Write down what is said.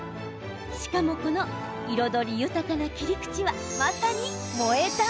しかも、この彩り豊かな切り口はまさに萌え断。